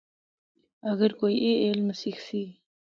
اگر کوئی اے علم سکھسی۔